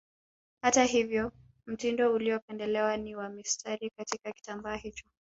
Hata hivyo mtindo uliopendelewa ni wa mistari katika kitambaa hicho